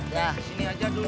ya sini aja dulu